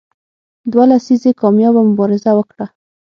دوه لسیزې کامیابه مبارزه وکړه.